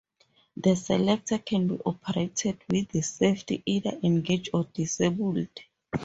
The selector can be operated with the safety either engaged or disabled.